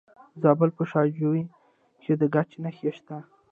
د زابل په شاجوی کې د ګچ نښې شته.